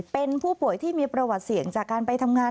เป็นผู้ป่วยที่มีประวัติเสี่ยงจากการไปทำงาน